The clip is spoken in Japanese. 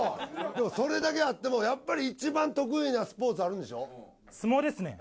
でもそれだけあってもやっぱり一番得意なスポーツあるんでしょ？